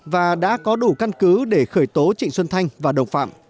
và đã có đủ căn cứ để khởi tố trịnh xuân thanh và đồng phạm